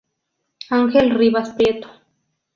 Ángel Rivas Prieto.